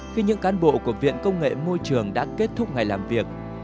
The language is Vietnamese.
khi những cán bộ của viện công nghệ môi trường đã kết thúc ngày làm việc